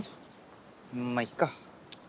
まぁいっか。